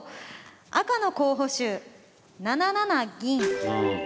赤の候補手７七銀。